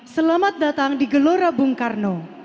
selamat datang di gelora bung karno